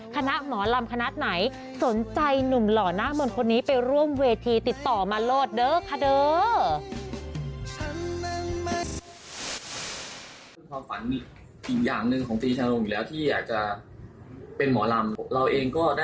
คณะหมอลำคณะไหนสนใจหนุ่มหล่อหน้ามนต์คนนี้ไปร่วมเวทีติดต่อมาโลดเด้อคาเด้อ